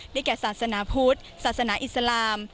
แก่ศาสนาพุทธศาสนาอิสลาม